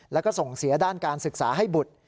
แล้วก็ส่งเสียด้านการศึกษาให้บุตร